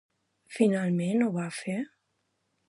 Finalment ho va fer?